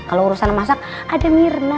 kalau urusan masak ada mirna